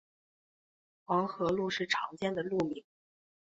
黄河路是常见的路名。